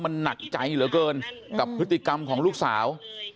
มันหนักใจเหลือเกินกับพฤติกรรมของลูกสาว